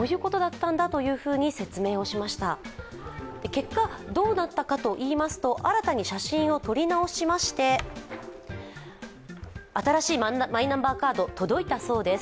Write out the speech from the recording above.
結果、どうなったかといいますと新たに写真を撮り直しまして新しいマイナンバーカード、届いたそうです。